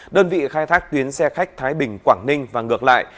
đơn vị khai thác tuyến xe khách thái bình quảng ninh và ngược lại